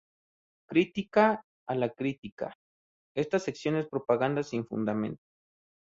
Crítica a la crítica:esta sección es propaganda sin fundamentos.